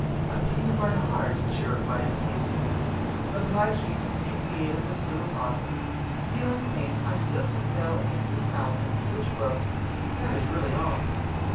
"A pain in my heart," she replied hastily, "obliged me to seek the aid of this little bottle. Feeling faint, I slipped and fell against the talisman, which broke. That is really all."